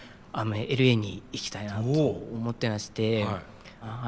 ＬＡに行きたいなあと思ってまして。